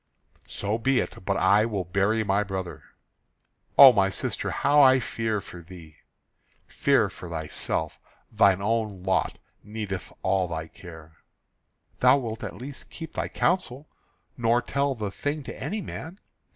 "So be it; but I will bury my brother." "O my sister, how I fear for thee!" "Fear for thyself. Thine own lot needeth all thy care." "Thou wilt at least keep thy counsel, nor tell the thing to any man."